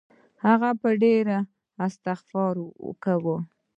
هغه به ډېر استغفار کاوه.